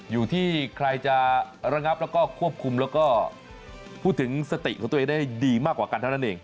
อยู่ที่ใครจะระงับแล้วก็ควบคุมแล้วก็พูดถึงสติของตัวเองได้ดีมากกว่ากันเท่านั้นเอง